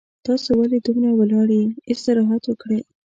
تاسو ولې دومره ولاړ یي استراحت وکړئ